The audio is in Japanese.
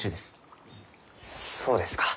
そうですか。